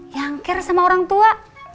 yang care sama orang tua